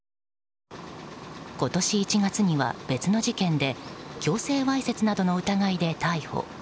今年１月には別の事件で強制わいせつなどの疑いで逮捕。